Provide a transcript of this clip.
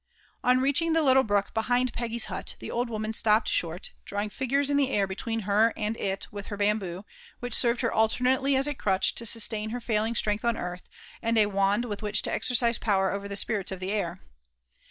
On reaching the little hrook behind Peggy^s hnt, the old woman gtopiped short, drawing ifgures in the air between her and it with her hmboo, which serred her alternately ^ a crnteh to suatain her Ming strength on earth, and a wand with which to^ exercise power orer the spirits of the air.